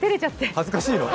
恥ずかしいの？